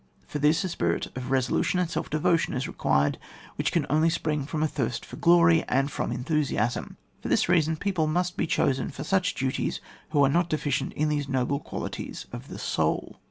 For this, a spirit of resolu tion and self devotion is required which can only spring from a thirst for glory and from enthusiasm: for this reason, people must be chosen for such duties who are not deficient in these noble qualities of the soul.